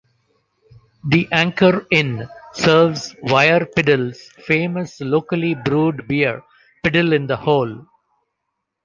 The Anchor Inn serves Wyre Piddle's famous locally brewed beer 'Piddle in The Hole'.